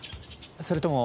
それとも。